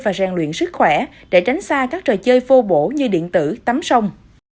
và rèn luyện sức khỏe để tránh xa các trò chơi phổ bổ như điện tử tắm sông